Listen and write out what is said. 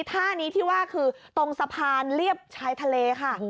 ท่านี้ที่ว่าคือตรงสะพานเรียบชายทะเลค่ะ